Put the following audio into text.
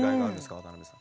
渡辺さん。